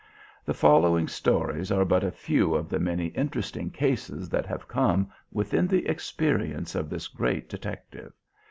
The following stories are but a few of the many interesting cases that have come within the experience of this great detective.